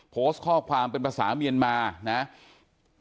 โพสต์ข้อความเป็นภาษาเมียนมานะครับ